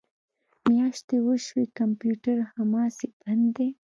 میاشتې وشوې کمپیوټر هماسې بند دی